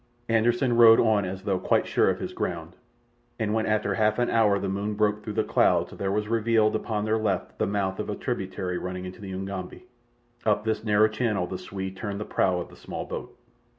Anderssen rowed on as though quite sure of his ground, and when after half an hour the moon broke through the clouds there was revealed upon their left the mouth of a tributary running into the Ugambi. Up this narrow channel the Swede turned the prow of the small boat.